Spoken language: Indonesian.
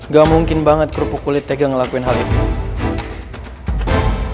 gak mungkin banget kerupuk kulit tega ngelakuin hal itu